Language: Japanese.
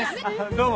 どうも。